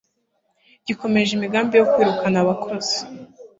gikomeje imigambi yo kwirukana abakozi